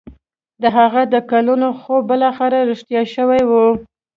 د هغه د کلونو خوب بالاخره رښتيا شوی و.